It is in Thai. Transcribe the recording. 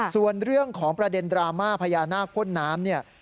ส่วนเรื่องของประเด็นดราม่าพญานาคพ่นน้ำเนี่ย